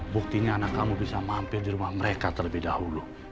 buktinya anak kamu bisa mampir di rumah mereka terlebih dahulu